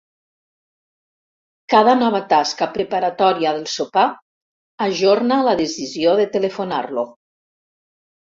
Cada nova tasca preparatòria del sopar ajorna la decisió de telefonar-lo.